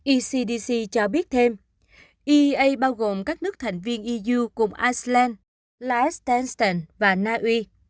ecdc cho biết thêm eea bao gồm các nước thành viên eu cùng iceland laos tân sơn và na uy